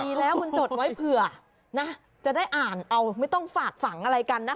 ดีแล้วคุณจดไว้เผื่อนะจะได้อ่านเอาไม่ต้องฝากฝังอะไรกันนะ